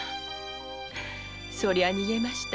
そりゃ逃げました。